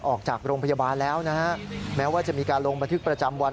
ออกจากโรงพยาบาลแล้วนะฮะแม้ว่าจะมีการลงบันทึกประจำวัน